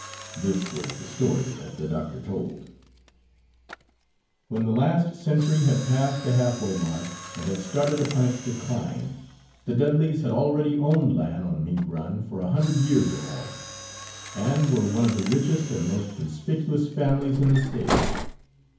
This was the story that the doctor told: When the last century had passed the half way mark, and had started upon its decline, the Dudleys had already owned land on Mink Run for a hundred years or more, and were one of the richest and most conspicuous families in the State.